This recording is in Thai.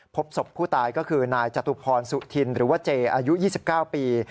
พบศพผู้ตายก็คือนายจตุพรสุธินหรือว่าเจอายุ๒๙ปี